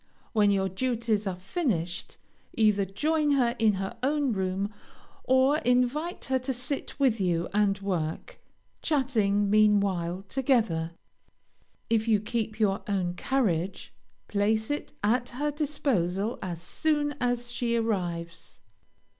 When your duties are finished, either join her in her own room, or invite her to sit with you, and work, chatting, meanwhile, together. If you keep your own carriage, place it at her disposal as soon as she arrives.